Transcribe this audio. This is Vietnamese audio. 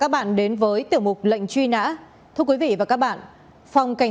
bản tin về truy nã tội phạm